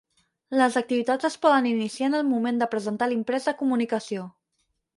Les activitats es poden iniciar en el moment de presentar l'imprès de comunicació.